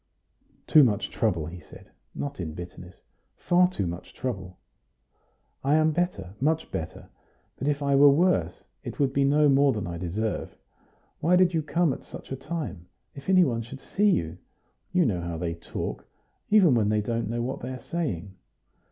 "Too much trouble," he said, not in bitterness "far too much trouble. I am better, much better; but if I were worse, it would be no more than I deserve. Why did you come at such a time? If any one should see you? You know how they talk, even when they don't know what they are saying."